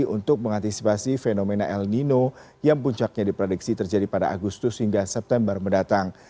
untuk mengantisipasi fenomena el nino yang puncaknya diprediksi terjadi pada agustus hingga september mendatang